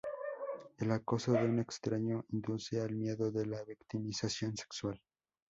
El acoso de un extraño, induce al miedo de la victimización sexual.